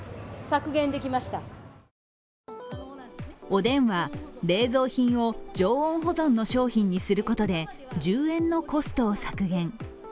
おでんは、冷蔵品を常温保存の商品にすることで１０円のコストを削減。